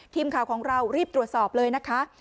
ทีมข่าวของเรารีบตรวจสอบเลยนะคะ